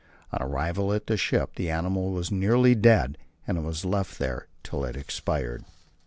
On arrival at the ship the animal was nearly dead, and it was left there till it expired.